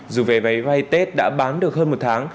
dù vé máy bay tết đã bán được hơn một tháng